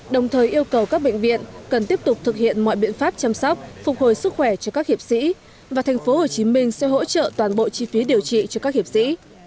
đồng thời yêu cầu các bệnh viện cần tiếp tục thực hiện mọi biện pháp chăm sóc phục hồi sức khỏe cho các hiệp sĩ và tp hcm sẽ hỗ trợ toàn bộ chi phí điều trị cho các hiệp sĩ